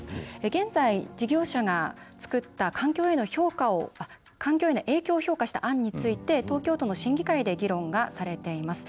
現在、事業者が作った、環境への影響を評価した案について東京都の審議会で議論がされています。